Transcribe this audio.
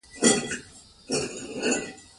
احمدشاه بابا د دښمن پر وړاندی تل بریالي و.